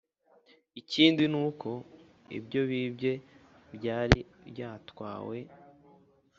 ikindi ni uko ibyo bibye byari byatwawe